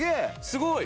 すごい！